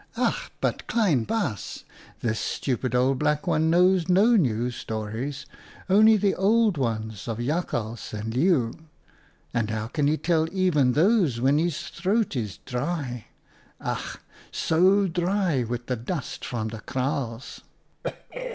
" Ach ! but klein baas, this stupid old black one knows no new stories, only the old ones of Jakhals and Leeuw, and how can he tell even those when his throat is dry — ach, so dry with the dust from the kraals